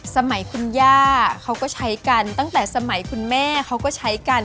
สมัยคุณย่าเขาก็ใช้กันตั้งแต่สมัยคุณแม่เขาก็ใช้กัน